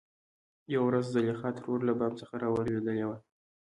يوه ورځ زليخا ترور له بام څخه رالوېدلې وه .